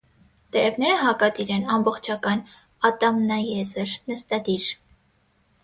Տերևները հակադիր են, ամբողջական, ատամնաեզր, նստադիր։